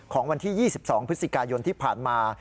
วันที่๒๒พฤศจิกายนที่ผ่านมา